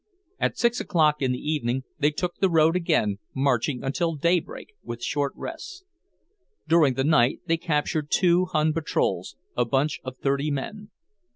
At six o'clock in the evening they took the road again, marching until daybreak, with short rests. During the night they captured two Hun patrols, a bunch of thirty men.